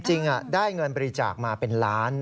จริงได้เงินบริจาคมาเป็นล้าน